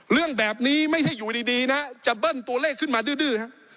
เรื่องแบบนี้ไม่ใช่อยู่ดีนะจะเบิ้ลตัวเลขขึ้นมาดื้อฮะ